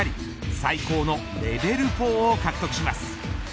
最高のレベル４を獲得します。